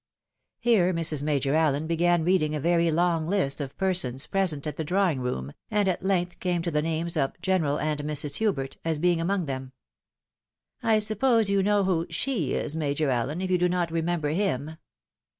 Here JNIrs. Major Allen began reading a very long list of persons present at the drawing room, and at length came to the names of " General and Mrs. Hubert," as being among them. " I suppose you know who she is, Major Allen, if you do not remember him."